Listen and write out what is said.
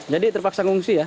jadi terpaksa mengungsi ya